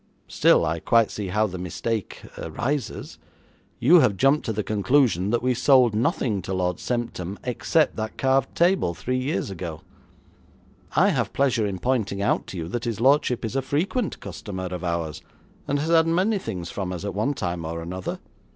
Still, I quite see how the mistake arises. You have jumped to the conclusion that we sold nothing to Lord Semptam except that carved table three years ago. I have pleasure in pointing out to you that his lordship is a frequent customer of ours, and has had many things from us at one time or another.